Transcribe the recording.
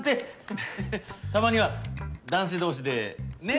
ははったまには男子同士で。ねぇ。